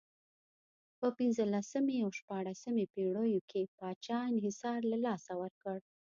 په پنځلسمې او شپاړسمې پېړیو کې پاچا انحصار له لاسه ورکړ.